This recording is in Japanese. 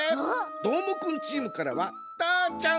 どーもくんチームからはたーちゃんさんかしてや！